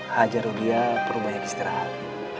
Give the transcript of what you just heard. hajarudia perlu banyak istirahat